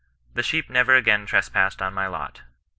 The sheep never again tres Eassed on my lot.